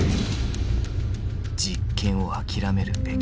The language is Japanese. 実験を諦めるべき。